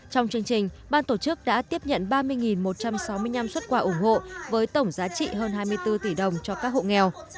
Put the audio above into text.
trong chương trình ban tổ chức đã tiếp nhận ba mươi một trăm sáu mươi năm xuất quà ủng hộ với tổng giá trị hơn hai mươi bốn tỷ đồng cho các hộ nghèo